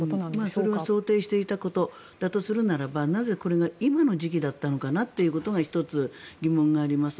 それは想定していたことだとするならばなぜ、これが今の時期だったのかなということが１つ疑問があります。